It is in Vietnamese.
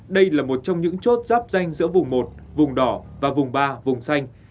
đây là một trong những chốt giáp danh giữa vùng một vùng đỏ và vùng ba vùng xanh